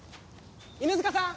犬塚さん？